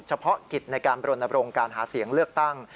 เฉพาะกิจในการบรณบรงการหาเสียงเลือกตั้ง